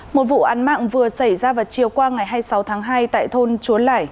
một vụ án mạng vừa xảy ra vào chiều qua ngày hai mươi sáu tháng hai tại thôn chúa lẻi